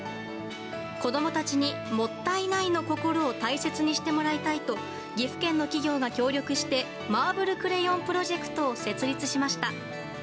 子供たちに「もったいない」の心を大切にしてもらいたいと岐阜県の企業が協力してマーブルクレヨンプロジェクトを設立しました。